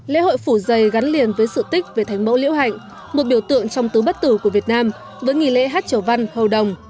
lễ hội phủ dây gắn liền với sự tích về thánh mẫu liễu hạnh một biểu tượng trong tứ bất tử của việt nam với nghi lễ hát trầu văn hầu đồng